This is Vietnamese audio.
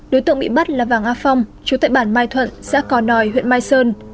đối tượng bị bắt là vàng a phong chú tại bản mai thuận xã cò nòi huyện mai sơn